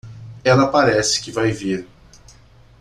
Ela parece que vai vir.